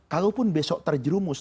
kalaupun besok terjerumus